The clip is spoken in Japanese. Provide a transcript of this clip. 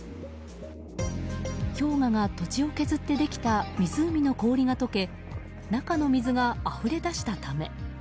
氷河が土地を削ってできた湖の氷が解け中の水が、あふれ出したため。